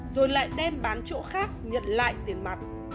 rồi lại đem bán chỗ khác nhận lại tiền mặt